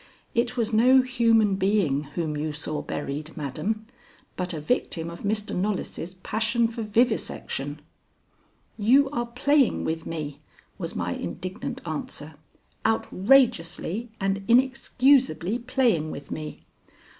It was no human being whom you saw buried, madam, but a victim of Mr. Knollys' passion for vivisection." "You are playing with me," was my indignant answer; "outrageously and inexcusably playing with me.